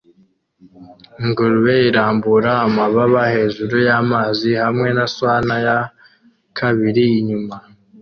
Ingurube irambura amababa hejuru y'amazi hamwe na swan ya kabiri inyuma